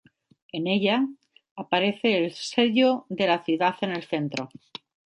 En ella, aparece el sello de la ciudad en el centro.